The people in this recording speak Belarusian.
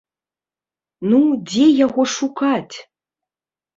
Ну, дзе яго шукаць?